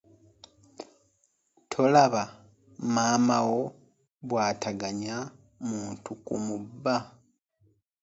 Tolaba maama wo bw'ataganya muntu kumubba?